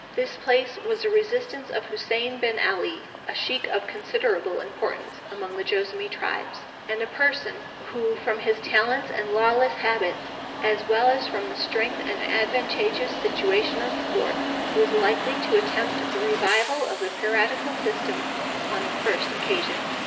This place was the residence of Hussein Bin Alley, a sheikh of considerable importance among the Joassamee tribes, and a person who from his talents and lawless habits, as well as from the strength and advantageous situation of the fort, was likely to attempt the revival of the piratical system upon the first occasion.